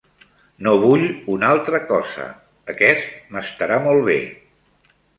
No vull una altra cosa, aquest m'estarà molt bé.